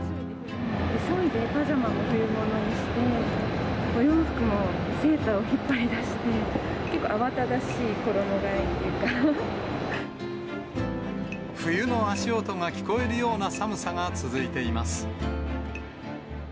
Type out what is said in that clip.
急いでパジャマも冬物にして、お洋服もセーターを引っ張り出して、冬の足音が聞こえるような寒さが続いています。